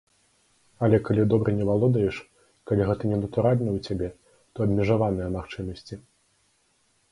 Але калі добра не валодаеш, калі гэта ненатуральна ў цябе, то абмежаваныя магчымасці.